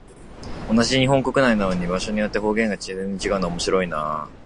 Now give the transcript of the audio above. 同じ日本国内なのに、場所によって方言が全然違うのは面白いなあ。